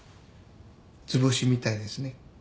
図星みたいですね。